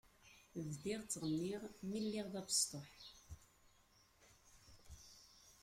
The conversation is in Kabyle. Bdiɣ ttɣenniɣ mi lliɣ d abestuḥ.